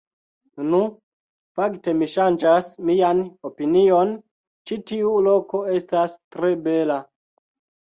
Nu, fakte mi ŝanĝas mian opinion ĉi tiu loko estas tre bela